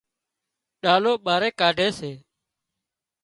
ڏلو ٻاري ڪاڍي سي